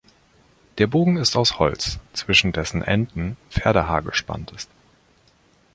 Der Bogen ist aus Holz, zwischen dessen Enden Pferdehaar gespannt ist.